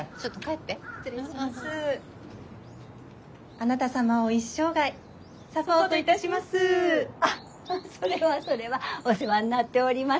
あっそれはそれはお世話になっております。